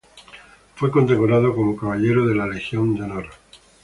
Fue condecorado como Caballero de la Legión de Honor.